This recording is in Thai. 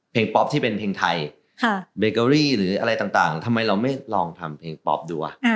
เพลงป๊อปที่เป็นเพลงไทยหรืออะไรต่างทำไมเราไม่ลองทำเพลงป๊อปดูอะ